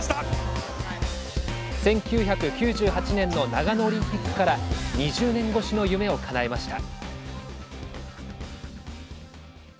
１９９８年の長野オリンピックから２０年越しの夢をかなえました。